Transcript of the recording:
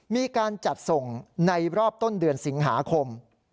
มีการจัดส่งในรอบต้นเดือนสิงหาคม